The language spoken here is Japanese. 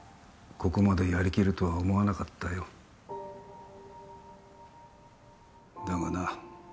ここまでやりきるとは思わなかったよだがな